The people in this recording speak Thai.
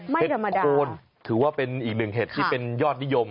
ไม่ธรรมดาเหรอครับครับเห็ดโค้นถือว่าเป็นอีกหนึ่งเหตุที่เป็นยอดนิยม